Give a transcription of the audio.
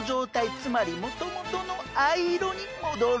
つまりもともとの藍色に戻るんです。